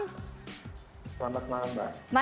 selamat malam mbak